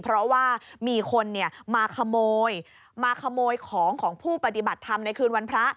เพราะว่ามีคนมาขโมยมาขโมยของของผู้ปฏิบัติธรรมในคืนวันพระ